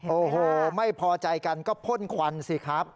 โอ้โหไม่พอใจกันก็พ่นควันสิครับ